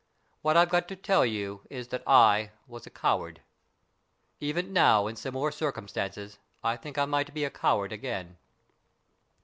What I've got to tell you is that I was a coward. Even now, in similar circumstances, I think I might be a coward again.